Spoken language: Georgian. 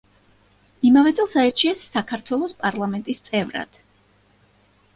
იმავე წელს აირჩიეს საქართველოს პარლამენტის წევრად.